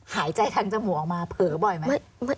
หายใจทางจมูกออกมาเผลอบ่อยไหม